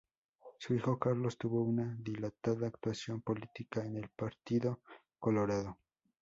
Su hijo Carlos tuvo una dilatada actuación política en el Partido Colorado.